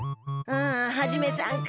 あハジメさんか。